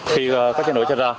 khi các chế nối chất ra